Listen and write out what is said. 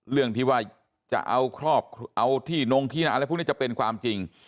เราเรียกว่าเรื่องที่กระเป๋าล่าจะเป็นความจริง